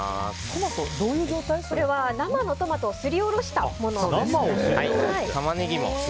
これは生のトマトをすりおろしたものです。